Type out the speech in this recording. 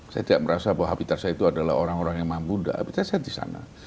saya tidak merasa bahwa habitat saya itu adalah orang orang yang mampunda habitat saya di sana